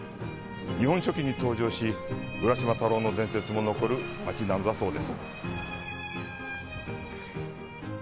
日本書紀に登場し、浦島太郎の伝説も残る町なのだそうです。